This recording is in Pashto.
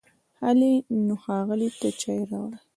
هلی نو، ښاغلي ته چای راوړئ!